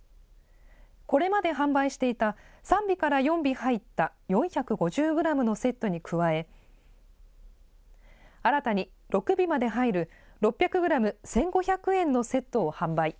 これまで販売していた３尾から４尾入った４５０グラムのセットに加え、新たに６尾まで入る６００グラム１５００円のセットを販売。